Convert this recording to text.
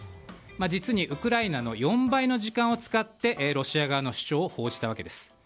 実にウクライナの４倍の時間を使ってロシア側の主張を報じたわけです。